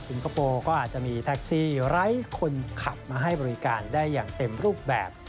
คโปร์ก็อาจจะมีแท็กซี่ไร้คนขับมาให้บริการได้อย่างเต็มรูปแบบ